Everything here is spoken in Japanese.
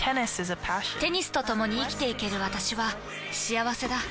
テニスとともに生きていける私は幸せだ。